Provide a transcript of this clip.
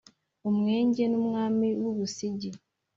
Umwenge n’ umwami w’u Busigi